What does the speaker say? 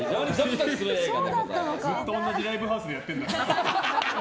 ずっと同じライブハウスでやってるんだろうな。